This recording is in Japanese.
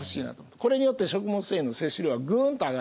これによって食物繊維の摂取量はグンと上がります。